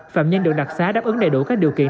phạm nhân được đặc xá đáp ứng đầy đủ các điều kiện